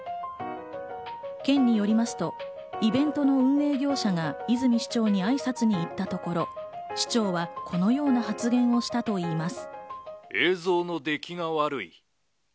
県によりますとイベントの運営業者が泉市長へ挨拶に行ったところ市長はこのような発言をしたといいます。